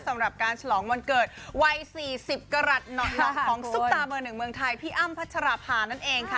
สำหรับการฉลองวันเกิดวัย๔๐กรัฐหน่อของซุปตาเบอร์หนึ่งเมืองไทยพี่อ้ำพัชราภานั่นเองค่ะ